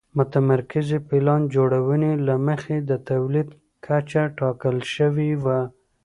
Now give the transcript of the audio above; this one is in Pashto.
د متمرکزې پلان جوړونې له مخې د تولید کچه ټاکل شوې وه